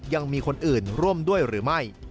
ยังมีคนอื่นร่วมด้วยหรือไม่